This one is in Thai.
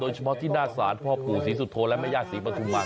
โดยเฉพาะที่นาศาสตร์พ่อผู้ศรีสุทธโทและแม่ญาติศรีประทุมมา